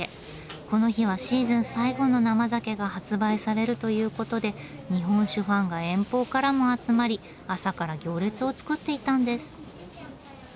この日はシーズン最後の生酒が発売されるということで日本酒ファンが遠方からも集まり朝から行列を作っていたんです。